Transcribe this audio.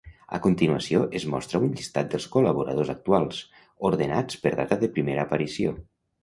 A continuació es mostra un llistat dels col·laboradors actuals, ordenats per data de primera aparició.